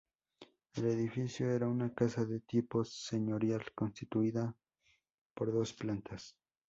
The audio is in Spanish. El edificio era una casa de tipo señorial constituida por dos plantas.